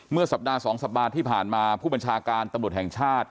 สัปดาห์๒สัปดาห์ที่ผ่านมาผู้บัญชาการตำรวจแห่งชาติ